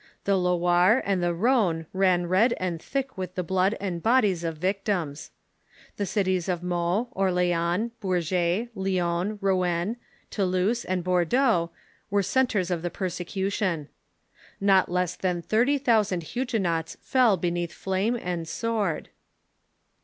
The Loire and the Rhone ran red and thick with the blood and bodies of victims. The cities of Meaux, Orleans, Bourges, Lyons, Rouen, Tou louse, and Bordeaux were centres of the persecution. Not less than thirty thousand Huguenots fell beneath flame and sword.